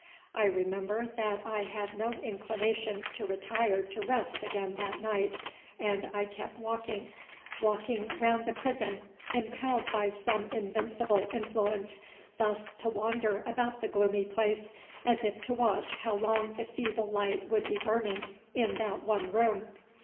I remember that I had no inclination to retire to rest again that night; and I kept walking—walking round the prison, impelled by some invincible influence thus to wander about the gloomy place, as if to watch how long the feeble light would be burning in that one room!